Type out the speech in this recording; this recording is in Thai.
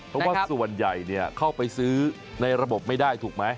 เพราะว่าส่วนใหญ่เข้าไปซื้อในระบบไม่ได้ถูกไหม